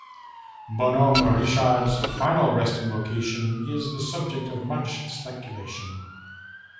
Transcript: "Bonhomme Richard"'s final resting location is the subject of much speculation.